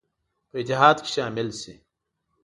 په اتحاد کې شامل شي.